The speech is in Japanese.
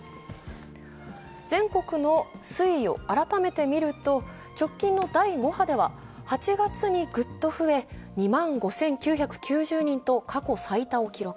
全国の推移を改めて見ると、直近の第５波では８月にグッと増え２万５９９０人と過去最多を記録。